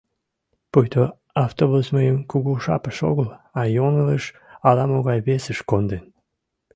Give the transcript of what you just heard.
Пуйто автобус мыйым Кугу Шапыш огыл, а йоҥылыш ала-могай весыш конден.